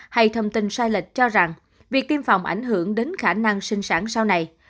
hay thông tin sai lệch cho rằng việc tiêm phòng ảnh hưởng đến khả năng sinh sản sau này